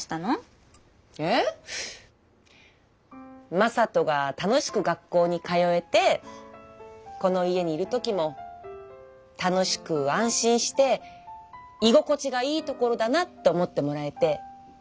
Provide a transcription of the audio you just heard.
正門が楽しく学校に通えてこの家にいる時も楽しく安心して居心地がいい所だなって思ってもらえて。